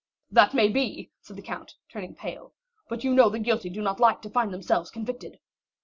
"That may be," said the count, turning pale; "but you know the guilty do not like to find themselves convicted."